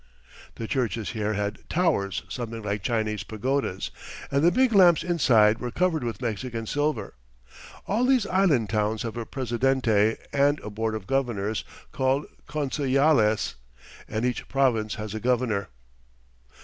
The churches here had towers something like Chinese pagodas, and the big lamps inside were covered with Mexican silver. All these island towns have a presidente and a board of governors, called consejales, and each province has a governor.